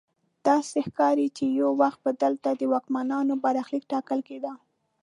داسې ښکاري چې یو وخت به دلته د واکمنانو برخلیک ټاکل کیده.